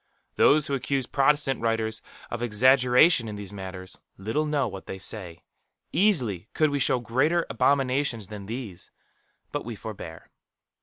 Those who accuse Protestant writers of exaggeration in these matters, little know what they say. Easily could we show greater abominations than these; but we forbear.